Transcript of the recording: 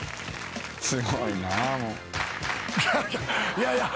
いやいや。